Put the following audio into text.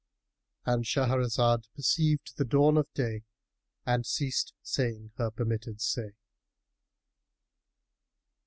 ——And Shahrazad perceived the dawn of day and ceased saying her permitted say.